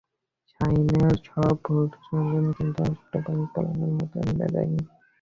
শাহিনের সব ভবিষ্যদ্বাণী কিন্তু অক্টোপাস পলের মতো মিলে যায়নি।